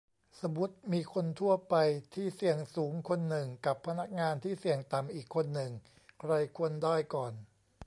สมมติ มีคนทั่วไปที่เสี่ยงสูงคนหนึ่ง กับ พนักงานที่เสี่ยงต่ำอีกคนหนึ่ง ใครควรได้ก่อน ?